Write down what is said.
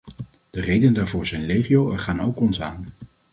De redenen daarvoor zijn legio en gaan ook ons aan.